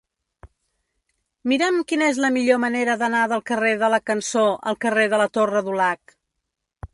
Mira'm quina és la millor manera d'anar del carrer de la Cançó al carrer de la Torre Dulac.